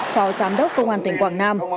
phó giám đốc công an tỉnh quảng nam